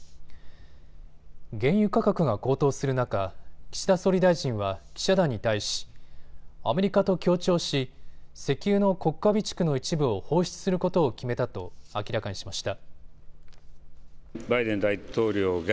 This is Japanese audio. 原油価格が高騰する中、岸田総理大臣は記者団に対し、アメリカと協調し石油の国家備蓄の一部を放出することを決めたと明らかにしました。